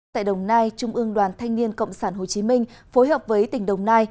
tại đồng nai trung ương đoàn thanh niên cộng sản hồ chí minh phối hợp với tỉnh đồng nai